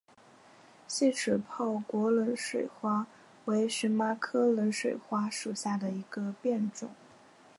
细齿泡果冷水花为荨麻科冷水花属下的一个变种。